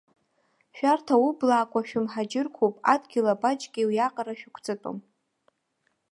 Шәарҭ аублаақәа шәымҳаџьырқәоуп, адгьыл абаџьгьы уиаҟара шәықәҵатәым!